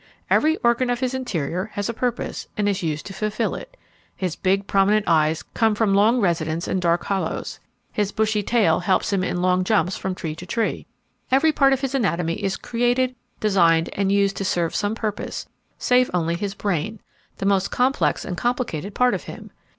Every organ of his interior has its purpose, and is used to fulfil it. His big, prominent eyes come from long residence in dark hollows. His bushy tail helps him in long jumps from tree to tree. Every part of his anatomy is created, designed and used to serve some purpose, save only his brain, the most complex and complicated part of him.